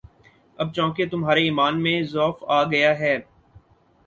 اب چونکہ تمہارے ایمان میں ضعف آ گیا ہے،